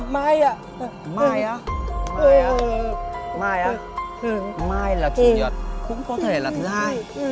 mai á mai á mai á mai là chủ nhật cũng có thể là thứ hai